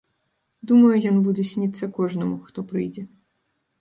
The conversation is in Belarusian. Думаю, ён будзе сніцца кожнаму, хто прыйдзе.